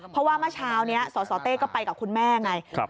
เพราะว่าเมื่อเช้านี้สสเต้ก็ไปกับคุณแม่ไง